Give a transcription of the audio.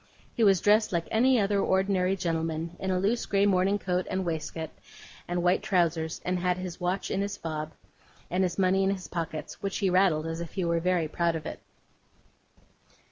He was dressed like any other ordinary gentleman, in a loose grey morning coat and waistcoat, and white trousers; and had his watch in his fob, and his money in his pockets: which he rattled as if he were very proud of it.